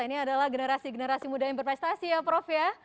ini adalah generasi generasi muda yang berprestasi ya prof ya